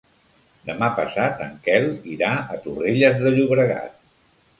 Demà passat en Quel irà a Torrelles de Llobregat.